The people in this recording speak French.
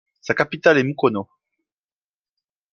Sa capitale est Mukono.